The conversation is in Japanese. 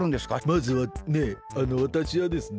まずはねわたしはですね